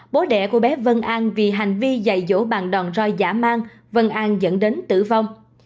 bố đẻ của bé vân an vì hành vi dạy dỗ bàn đòn roi giả mang vân an dẫn đến tử vong